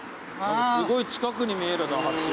すごい近くに見えるな初島